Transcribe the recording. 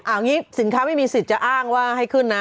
เอาอย่างนี้สินค้าไม่มีสิทธิ์จะอ้างว่าให้ขึ้นนะ